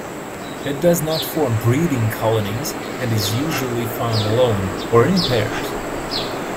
It does not form breeding colonies, and is usually found alone or in pairs.